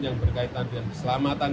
yang berkaitan dengan keselamatan